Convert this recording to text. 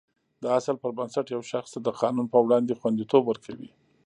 دا اصل پر بنسټ یو شخص ته د قانون په وړاندې خوندیتوب ورکوي.